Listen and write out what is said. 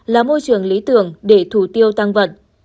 là môi trường lý tưởng để thủ tiêu tăng vận